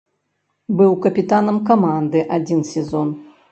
Быў капітанам каманды адзін сезон.